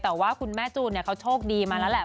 แต่ว่าคุณแม่จูนเขาโชคดีมาแล้วแหละ